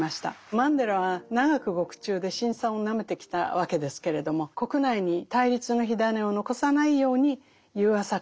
マンデラは長く獄中で辛酸をなめてきたわけですけれども国内に対立の火種を残さないように融和策を推し進める道を選んだわけです。